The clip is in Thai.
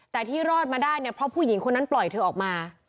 แต่ที่รอดมาได้เนี่ยเพราะผู้หญิงคนนั้นปล่อยเธอออกมา